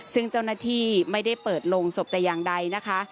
ซึ่งเจ้าหน้าที่ไม่ได้เปิดโรงศพแต่อย่างใดนะคะ